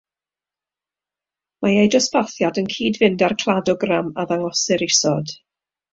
Mae eu dosbarthiad yn cyd-fynd â'r cladogram a ddangosir isod.